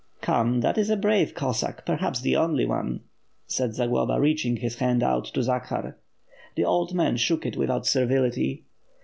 '* "Come, that is a brave Cossack, perhaps the only one," said Zagloba, reaching his hand out to Zakhar. The old man shook it without servility.